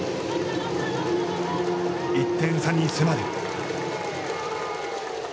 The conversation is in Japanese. １点差に迫る。